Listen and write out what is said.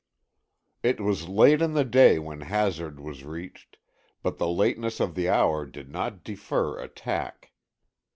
It was late in the day when Hazard was reached, but the lateness of the hour did not defer attack.